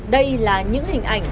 đây là những hình ảnh